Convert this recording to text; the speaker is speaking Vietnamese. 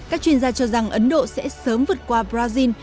các chuyên gia cho rằng ấn độ sẽ sớm vượt qua brazil